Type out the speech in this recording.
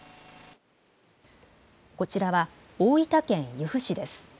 こちらは大分県由布市です。